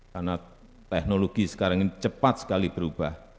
karena teknologi sekarang ini cepat sekali berubah